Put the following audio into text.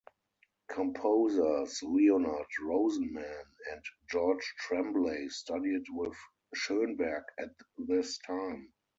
Composers Leonard Rosenman and George Tremblay studied with Schoenberg at this time.